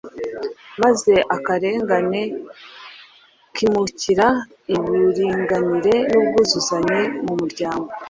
maze akarengane kimukira uburinganire n’ubwuzuzanye mu muryango.